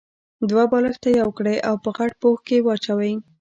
دوه بالښته يو کړئ او په غټ پوښ کې يې واچوئ.